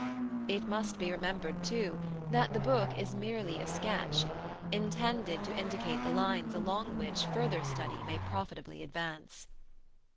It must be remembered, too, that the book is merely a sketch, intended to indicate the lines along which further study may profitably advance.